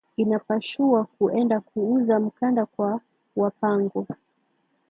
Inapashua ku enda ku uza mkanda kwa wa pango